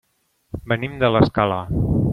Venim de l'Escala.